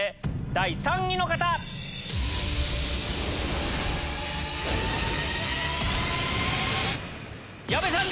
第３位矢部さん！